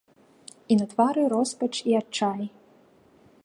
І на твары роспач і адчай.